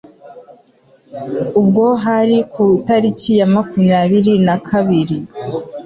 Ubwo hari ku itariki ya makumyabiri nakabiri